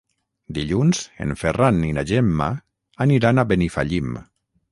Dilluns en Ferran i na Gemma aniran a Benifallim.